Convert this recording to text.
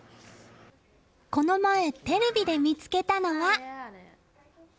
この前、テレビで見つけたのは。